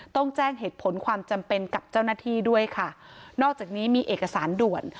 ต้องแจ้งเหตุผลความจำเป็นกับเจ้าหน้าที่ด้วยค่ะนอกจากนี้มีเอกสารด่วน